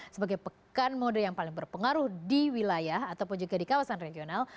sebagai pekan mode yang paling berpengaruh di wilayah ataupun juga di kawasan regional